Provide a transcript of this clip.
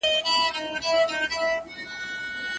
که خصوصي سکتور نه وای ستونزې به زیاتې وې.